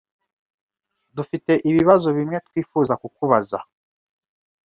Dufite ibibazo bimwe twifuza kukubaza.